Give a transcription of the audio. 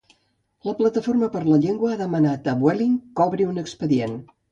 La Plataforma per la Llengua ha demanat a Vueling que obri un expedient